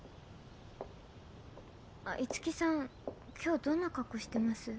樹さん今日どんな格好してます？